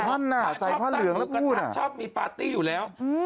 มันน่ะใส่ผ้าเหลืองแล้วพูดน่ะชาวมีปาร์ตี้อยู่แล้ว